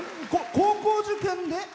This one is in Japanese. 高校受験で？